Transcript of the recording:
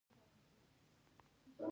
د مولېکولر پیتالوژي جین معلوموي.